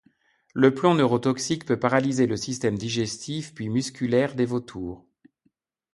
Le plomb neurotoxique peut paralyser le système digestif puis musculaire des vautours.